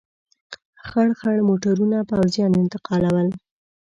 خړ خړ موټرونه پوځیان انتقالول.